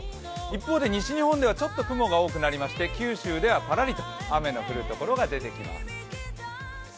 一方で西日本ではちょっと雲が多くなりまして、九州では、ぱらりと、雨の降るところが出てきます。